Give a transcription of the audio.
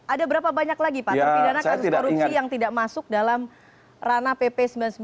ada berapa banyak lagi pak terpidana kasus korupsi yang tidak masuk dalam ranah pp sembilan puluh sembilan